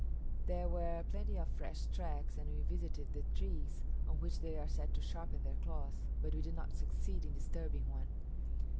There were plenty of fresh tracks, and we visited the trees, on which they are said to sharpen their claws; but we did not succeed in disturbing one.